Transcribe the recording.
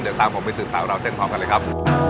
เดี๋ยวตามผมไปสืบสาวราวเส้นพร้อมกันเลยครับ